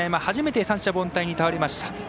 初めて、三者凡退に倒れました。